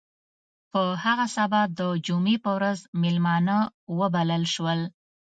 په هغه سبا د جمعې په ورځ میلمانه وبلل شول.